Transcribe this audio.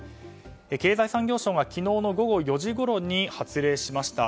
経済産業省は昨日の午後４時ごろに発令しました。